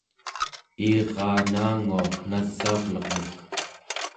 iiraa naanguaq nasaurlurmek